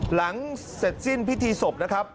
หลังเสร็จสิ้นพิธีศพนะครับ